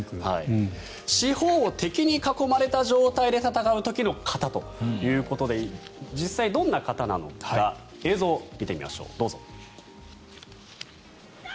四方を敵に囲まれた状態で戦う時の形ということで実際、どんな形なのか映像を見てみましょうどうぞ。